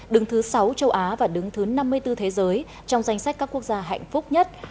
đứng thứ sáu châu á và đứng thứ năm mươi bốn thế giới trong danh sách các quốc gia hạnh phúc nhất